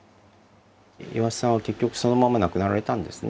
岩田さんは結局そのまま亡くなられたんですね。